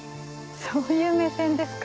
そういう目線ですか。